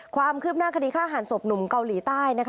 ความคืบหน้าคดีฆ่าหันศพหนุ่มเกาหลีใต้นะคะ